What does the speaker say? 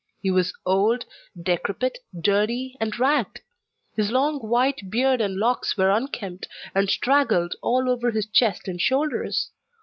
He was old, decrepit, dirty, and ragged! His long white beard and locks were unkempt, and straggled all over his chest and shoulders.